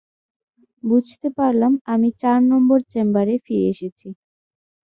বুঝতে পারলাম আমি চার নম্বর চেম্বারে ফিরে এসেছি।